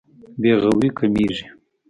بې غوري کمېږي.